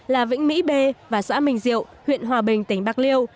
là vĩnh mỹ bê và xã mình diệu huyện hòa bình tỉnh bạc liêu